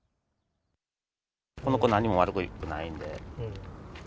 この子、何も悪くないんで。